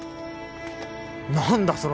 何だ